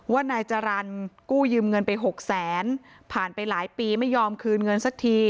นายจรรย์กู้ยืมเงินไปหกแสนผ่านไปหลายปีไม่ยอมคืนเงินสักที